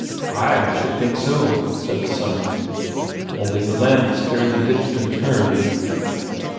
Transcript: "Ay, should think so," said the son. "Only the land was fairly ditched and turned."